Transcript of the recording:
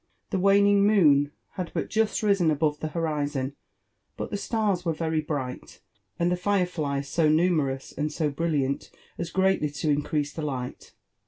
The waning moon had but jusi risen above Ih0 horizon, but the stars were very bright, and the fire flies so nuiiNsroo9 and so brilliant as greatly to increase (he light.